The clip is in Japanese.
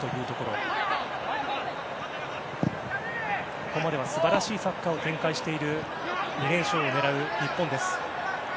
ここまでは素晴らしいサッカーを展開している２連勝を狙う日本です。